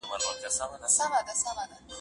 او مهربانۍ